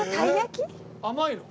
甘いの？